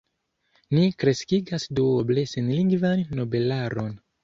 "Ni kreskigas duoble senlingvan nobelaron.